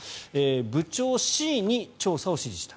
部長Ｃに調査を指示した。